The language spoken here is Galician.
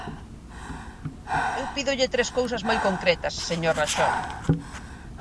Eu pídolle tres cousas moi concretas, señor Raxó.